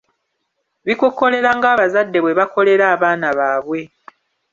Bikukolera ng'abazadde bwe bakolera abaana baabwe.